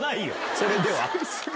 それでは。